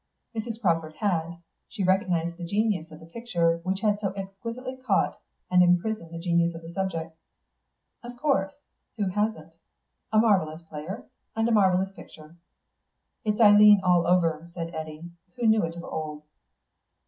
Mrs. Crawford had. She recognised the genius of the picture, which had so exquisitely caught and imprisoned the genius of the subject. "Of course; who hasn't? A marvellous player. And a marvellous picture." "It's Eileen all over," said Eddy, who knew it of old.